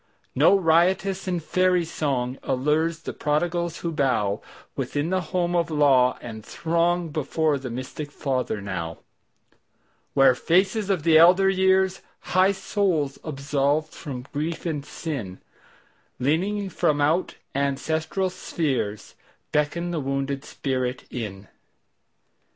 No riotous and fairy songAllures the prodigals who bowWithin the home of law, and throngBefore the mystic Father now, Where faces of the elder years, High souls absolved from grief and sin, Leaning from out ancestral spheresBeckon the wounded spirit in.